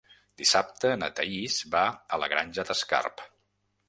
Dissabte na Thaís va a la Granja d'Escarp.